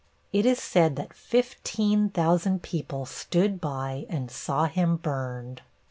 It is said that fifteen thousand people stood by and saw him burned.